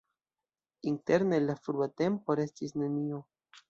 Interne el la frua tempo restis nenio.